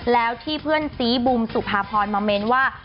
แล้วที่เพื่อนซีบุมสุภาพรมาเมนต์ว่า